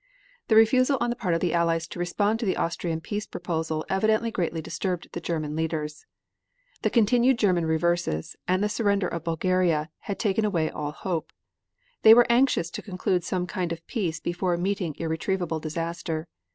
The refusal on the part of the Allies to respond to the Austrian peace proposal evidently greatly disturbed the German leaders. The continued German reverses, and the surrender of Bulgaria had taken away all hope. They were anxious to conclude some kind of peace before meeting irretrievable disaster.